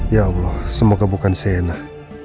ya allah semoga bukan seenak